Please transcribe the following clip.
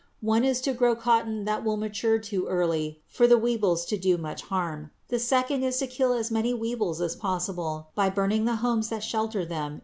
One is to grow cotton that will mature too early for the weevils to do it much harm. A second is to kill as many weevils as possible by burning the homes that shelter them in winter.